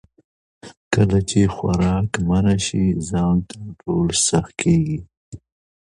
کله چې خوراک منع شي، ځان کنټرول سخت کېږي.